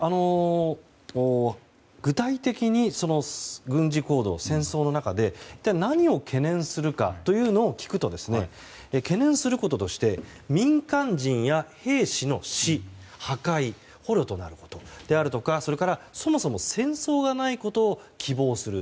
具体的に軍事行動、戦争の中で一体、何を懸念するかというのを聞くと懸念することとして民間人や兵士の死破壊、捕虜となることであるとかそれから、そもそも戦争がないことを希望する。